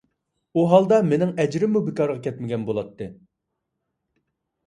ئۇ ھالدا مېنىڭ ئەجرىممۇ بىكارغا كەتمىگەن بولاتتى.